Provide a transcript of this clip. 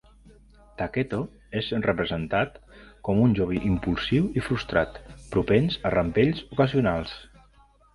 Taketo és representat com un jove impulsiu i frustrat, propens a rampells ocasionals.